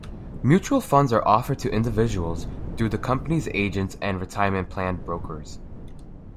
Mutual funds are offered to individuals through the company's agents and Retirement Plans brokers.